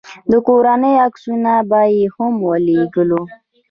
د کورونو عکسونه به يې هم ورولېږم.